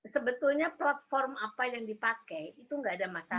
sebetulnya platform apa yang dipakai itu nggak ada masalah